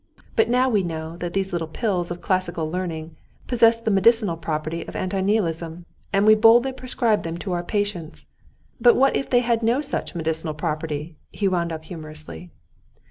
But now we know that these little pills of classical learning possess the medicinal property of anti nihilism, and we boldly prescribe them to our patients.... But what if they had no such medicinal property?" he wound up humorously.